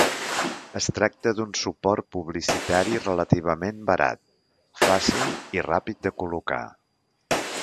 Es tracta d'un suport publicitari relativament barat, fàcil i ràpid de col·locar.